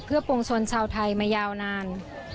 เพื่อปวงชนชาวไทยมายาวนาน